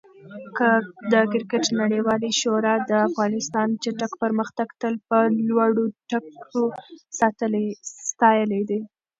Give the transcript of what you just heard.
د کرکټ نړیوالې شورا د افغانستان چټک پرمختګ تل په لوړو ټکو ستایلی دی.